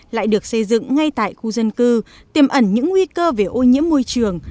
lại được xây dựng ngay tại khu dân cư tiềm ẩn những nguy cơ về ô nhiễm môi trường